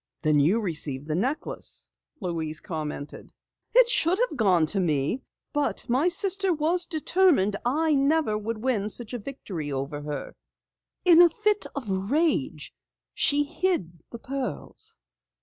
"Then you received the necklace?" Louise commented. "It should have gone to me, but my sister was determined I never should win such a victory over her. In a fit of anger she hid the pearls.